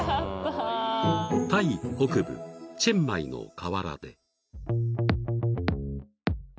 ［タイ北部チェンマイの河原で］